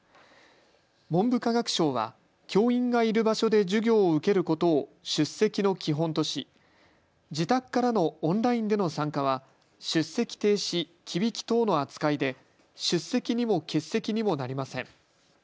文部科学省は教員がいる場所で授業を受けることを出席の基本とし自宅からのオンラインでの参加は出席停止・忌引き等の扱いで出席にも欠席にもなりません。